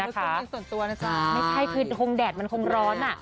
ตัวนี้จะ์โทนกำลังภูมิด้านส่วนตัวนะจ๊ะคือคงแดดมันคงร้อนน่ะ